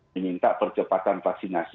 diminta percepatan vaksinasi